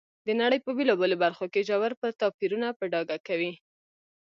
د نړۍ په بېلابېلو برخو کې ژور توپیرونه په ډاګه کوي.